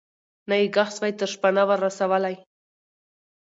نه یې ږغ سوای تر شپانه ور رسولای